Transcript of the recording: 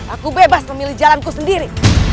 aku bebas memilih jalanku sendiri